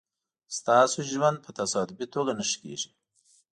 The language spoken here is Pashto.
ستاسو ژوند په تصادفي توگه نه ښه کېږي